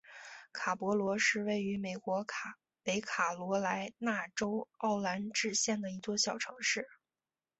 卡勃罗是位于美国北卡罗来纳州奥兰治县的一座小城市。